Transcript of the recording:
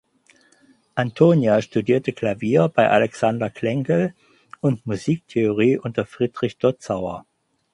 Antonia studierte Klavier bei Alexander Klengel und Musiktheorie unter Friedrich Dotzauer.